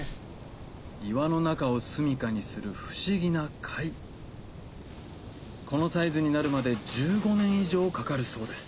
岩の中をすみかにする不思議な貝このサイズになるまで１５年以上かかるそうです